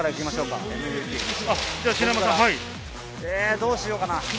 どうしようかな。